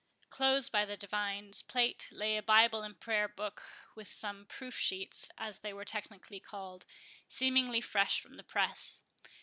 Close by the divine's plate lay a Bible and Prayer book, with some proof sheets, as they are technically called, seemingly fresh from the press.